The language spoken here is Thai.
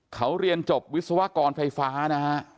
เขาเรียนจบวิศวกรไฟฟ้านะฮะ